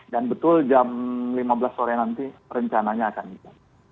dan betul jam lima belas sore nanti rencananya akan itu